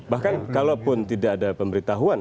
bahkan kalau pun tidak ada pemberitahuan